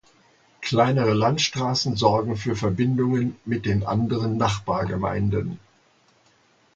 Kleinere Landstraßen sorgen für Verbindungen mit den anderen Nachbargemeinden.